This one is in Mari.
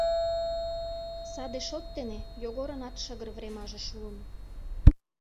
Саде шот дене Йогорынат шыгыр времаже шуын.